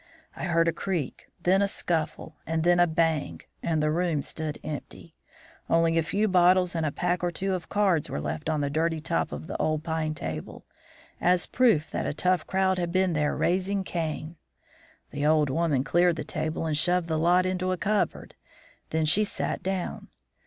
I heard a creak, then a scuffle, and then a bang, and the room stood empty. Only a few bottles and a pack or two of cards were left on the dirty top of the old pine table, as proof that a tough crowd had been there raising Cain. The old woman cleared the table and shoved the lot into a cupboard; then she sat down.